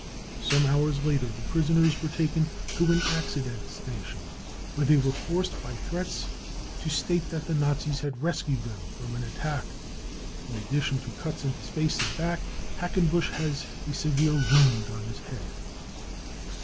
Some hours later the prisoners were taken to an accident station, where they were forced by threats to state that the Nazis had rescued them from an attack. In addition to cuts in his face and back, Hackenbusch has a severe wound on his head?'